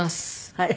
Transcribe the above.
はい。